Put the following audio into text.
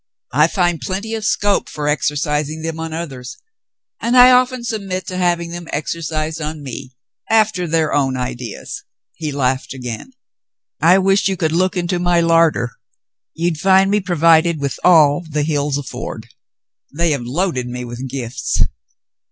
I find plenty of scope for exercising them on others, and I often submit to having them exer cised on me, — after their own ideas." He laughed again. "I wish you could look into my larder. You'd find me David visits the Bishop 137 provided with all the hills afford. They have loaded me with gifts."